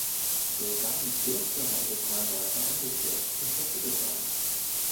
Der Gang dürfte heute teilweise eingestürzt und verschüttet sein.